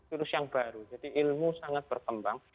ini baru jadi ilmu sangat berkembang